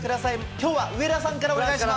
きょうは上田さんからお願いします。